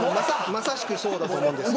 まさしく、そうだと思います。